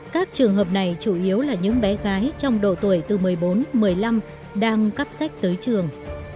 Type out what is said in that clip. các trường hợp này chủ yếu là những bé gái trong độ tuổi từ một mươi bốn một mươi năm đang cắp sách tới trường